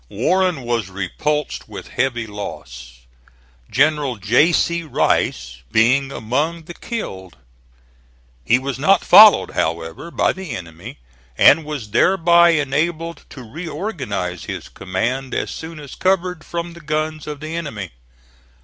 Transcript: Warren was repulsed with heavy loss, General J. C. Rice being among the killed. He was not followed, however, by the enemy, and was thereby enabled to reorganize his command as soon as covered from the guns of the enemy.